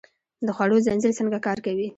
د خوړو زنځیر څنګه کار کوي؟